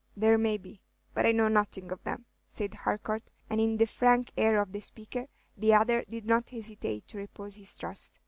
"There may be, but I know nothing of them," said Harcourt; and in the frank air of the speaker the other did not hesitate to repose his trust.